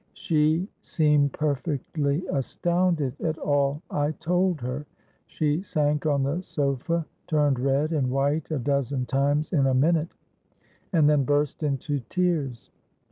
She seemed perfectly astounded at all I told her: she sank on the sofa, turned red and white a dozen times in a minute, and then burst into tears.